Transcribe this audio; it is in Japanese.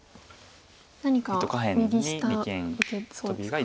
何か右下受けそうですか。